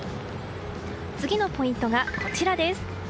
次のポイントがこちらです。